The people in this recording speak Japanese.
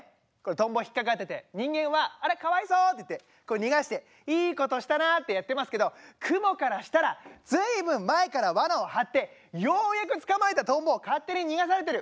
トンボ引っ掛かってて人間は「あらかわいそう」って言って逃がしていいことしたなってやってますけどクモからしたら随分前からわなを張ってようやく捕まえたトンボを勝手に逃がされてる。